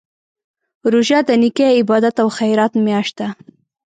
روژه د نېکۍ، عبادت او خیرات میاشت ده.